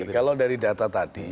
kalau dari data tadi